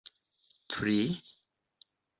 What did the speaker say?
pri